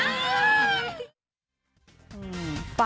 อนควัน